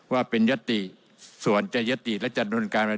ว่าเป็นยติส่วนจะยติและจำนวลการมา